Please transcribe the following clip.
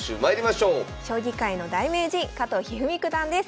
将棋界の大名人加藤一二三九段です。